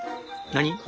何？